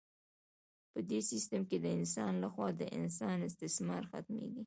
په دې سیستم کې د انسان لخوا د انسان استثمار ختمیږي.